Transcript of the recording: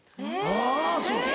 あぁそう。